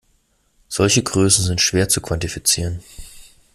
Solche Größen sind schwer zu quantifizieren.